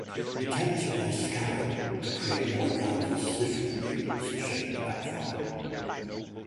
Attempts by Scarab to create more advanced Cyphron units are shown to backfire.